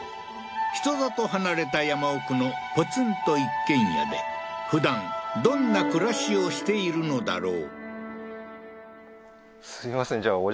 人里離れた山奥のポツンと一軒家で普段どんな暮らしをしているのだろう？